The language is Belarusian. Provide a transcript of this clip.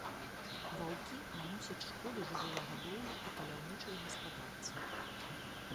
Ваўкі наносіць шкоду жывёлагадоўлі і паляўнічай гаспадарцы.